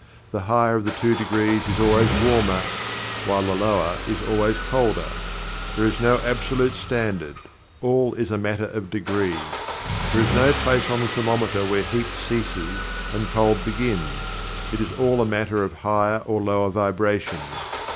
The higher of two degrees is always "warmer," while the lower is always "colder." There is no absolute standard all is a matter of degree. There is no place on the thermometer where heat ceases and cold begins. It is all a matter of higher or lower vibrations.